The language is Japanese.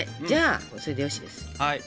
じゃあそれでよしです。